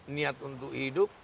niat untuk hidup